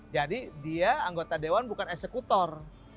jadi dia anggota dewan bukan eksekutor